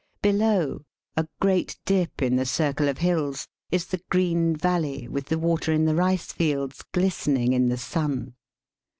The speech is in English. Below, a great dip in the circle of hills, is the green valley, with the water on the rice fields glistening in the sun.